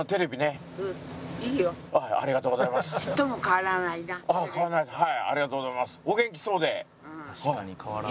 変わらないはいありがとうございます。